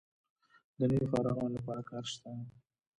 د نویو فارغانو لپاره کار شته؟